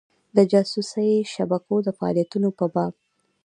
د جاسوسي شبکو د فعالیتونو په باب.